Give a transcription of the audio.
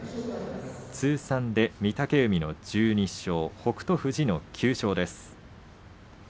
通算で御嶽海の１２勝北勝富士の９勝です。